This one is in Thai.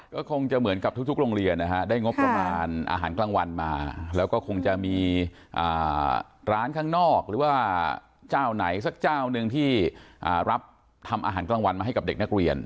ก็คงจะเหมือนกับทุกโรงเรียนนะฮะได้งบประมาณอาหารกลางวันมาแล้วก็คงจะมีร้านข้างนอกหรือว่าเจ้าไหนสักเจ้าหนึ่งที่รับทำอาหารกลางวันมาให้กับเด็กนักเรียน